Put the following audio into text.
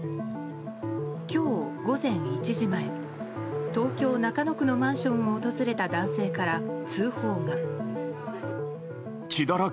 今日午前１時前、東京・中野区のマンションを訪れた男性から通報が。